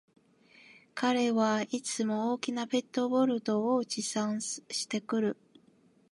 彼はいつも大きなペットボトルを持参してくる